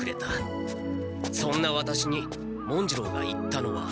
そんなワタシに文次郎が言ったのは。